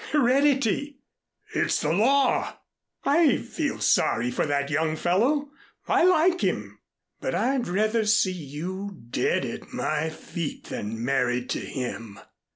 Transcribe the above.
"Heredity " "It's the law! I feel sorry for that young fellow. I like him, but I'd rather see you dead at my feet than married to him."